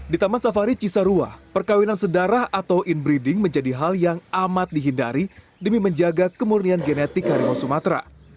di taman safari cisarua perkawinan sedarah atau inbreeding menjadi hal yang amat dihindari demi menjaga kemurnian genetik harimau sumatera